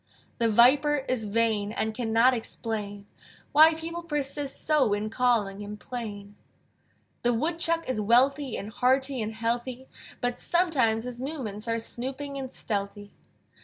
The Viper is vain, And cannot explain Why people persist so In calling him plain. The Woodchuck is wealthy, And hearty and healthy: But sometimes his movements Are snooping and stealthy.